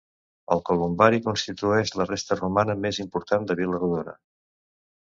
El columbari constitueix la resta romana més important de Vila-rodona.